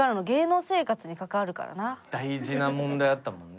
大事な問題あったもんね。